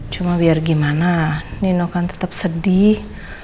cuma biar gimana nino akan tetap sedih